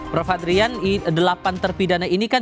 prof adrian delapan terpidana ini kan